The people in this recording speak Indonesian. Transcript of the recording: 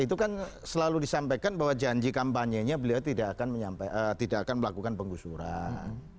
itu kan selalu disampaikan bahwa janji kampanyenya beliau tidak akan melakukan penggusuran